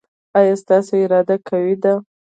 ایا ستاسو اراده قوي ده؟